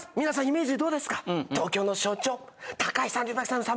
皆さんイメージどうですか東京の象徴高い３３３ｍ